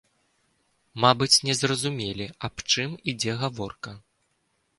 Мабыць, не зразумелі аб чым ідзе гаворка.